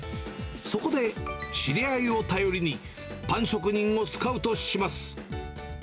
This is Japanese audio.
そこで、知り合いを頼りにパン職人をスカウトします。